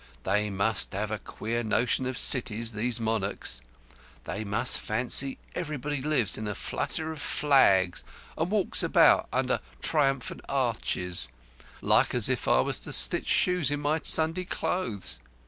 They must have queer notions of cities, those monarchs. They must fancy everybody lives in a flutter of flags and walks about under triumphal arches, like as if I were to stitch shoes in my Sunday clothes."